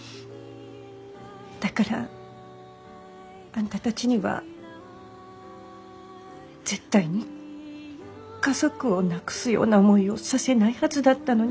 だからあんたたちには絶対に家族を亡くすような思いをさせないはずだったのに。